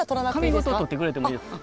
紙ごと採ってくれてもいいです。